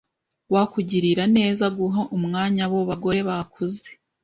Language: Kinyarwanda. Wakugirira neza guha umwanya abo bagore bakuze?